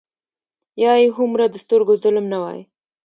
یا یې هومره د سترګو ظلم نه وای.